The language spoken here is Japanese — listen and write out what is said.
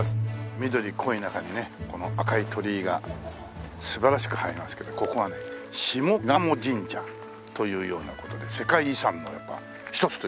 緑濃い中にねこの赤い鳥居が素晴らしく映えますけどここはね下鴨神社というような事で世界遺産のやっぱり一つという事でね。